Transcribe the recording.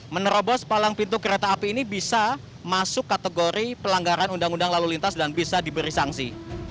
menerobos palang pintu kereta api ini bisa masuk kategori pelanggaran undang undang lalu lintas dan bisa diberi sanksi